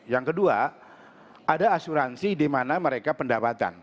yang kedua ada asuransi dimana mereka pendapatan